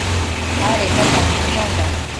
Enda tanonda